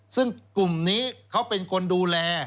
ซึ่งกลุ่มนี้เขาเป็นคนดูแล